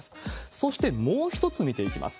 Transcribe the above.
そしてもう一つ見ていきます。